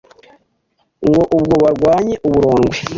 ngo ubwo barwanye uburondwe